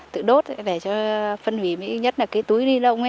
tự đốt để cho phân hủy mới nhất là cái túi ni lông ấy